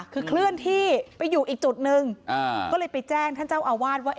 คือเคลื่อนที่ไปอยู่อีกจุดหนึ่งก็เลยไปแจ้งท่านเจ้าอาวาสว่า